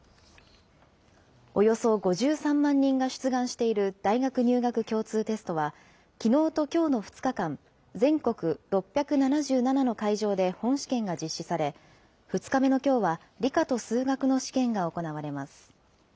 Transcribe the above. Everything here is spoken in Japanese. およそ５３万人が出願している大学入学共通テストは、きのうときょうの２日間、全国６７７の会場で本試験が実施され、２日目のきょうは、理科と数学の試験が行われます。